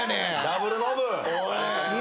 ダブルノブ！